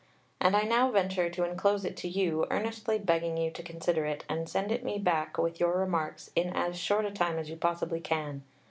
And I now venture to enclose it to you, earnestly begging you to consider it and send it me back with your remarks in as short a time as you possibly can.